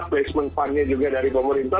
basement fundnya juga dari pemerintah